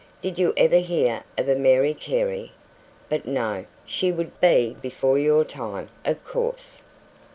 Did you ever hear of a Mary Carey? But no she would be before your time, of course."